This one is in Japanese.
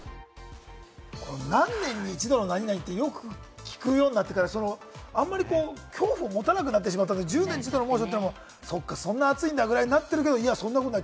何年に一度の何々ってよく聞くようになってから、あまり恐怖を持たなくなってしまったんですけれども、１０年に一度の猛暑、そっか、そんな暑いんだぐらいになってるけれども、そんなことない。